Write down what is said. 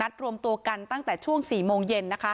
รวมตัวกันตั้งแต่ช่วง๔โมงเย็น